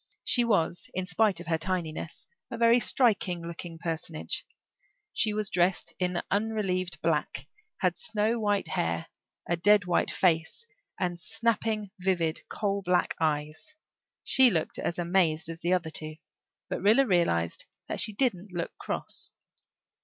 She was, in spite of her tinyness, a very striking looking personage; she was dressed in unrelieved black, had snow white hair, a dead white face, and snapping, vivid, coal black eyes. She looked as amazed as the other two, but Rilla realized that she didn't look cross.